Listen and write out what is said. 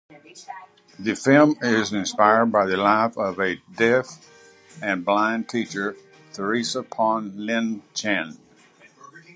The film is inspired by the life of deaf-and-blind teacher Theresa Poh Lin Chan.